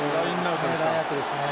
ラインアウトですか？